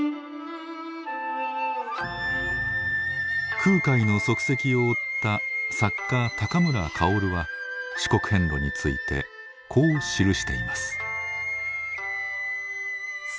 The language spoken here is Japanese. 空海の足跡を追った作家村薫は四国遍路についてこう記しています。